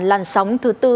lần sóng thứ tư